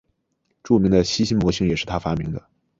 著名的易辛模型是他发明的。